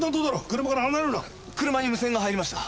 車に無線が入りました。